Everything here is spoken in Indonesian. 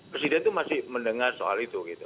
presiden itu masih mendengar soal itu gitu